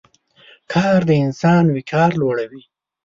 کار د انسان وقار لوړوي.